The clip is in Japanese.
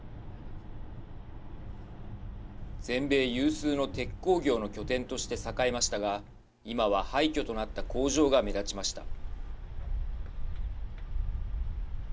全米有数の鉄鋼業の拠点として栄えましたが今は廃虚となった工場が目立ちました。